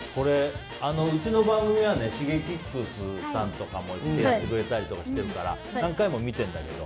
うちの番組でＳｈｉｇｅｋｉｘさんとかもやってくれたりしてくれるから何回も見てるけど。